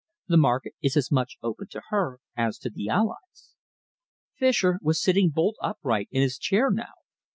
The market is as much open to her as to the Allies." Fischer was sitting bolt upright in his chair now.